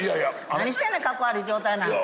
何してんねんカッコ悪い状態。